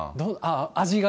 味が。